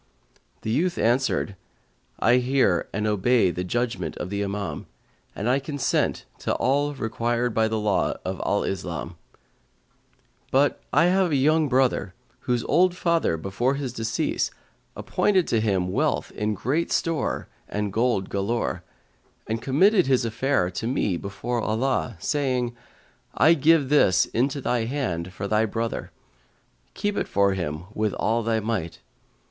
"[FN#148] the youth answered, "I hear and obey the judgement of the Imam, and I consent to all required by the law of Al Islam; but I have a young brother, whose old father, before his decease, appointed to him wealth in great store and gold galore, and committed his affair to me before Allah, saying: I give this into thy hand for thy brother; keep it for him with all thy might.'